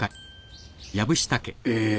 え